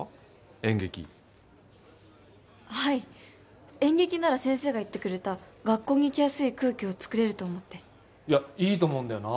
演劇はい演劇なら先生が言ってくれた学校に来やすい空気をつくれると思っていやいいと思うんだよな